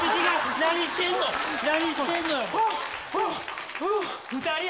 何してんのよ。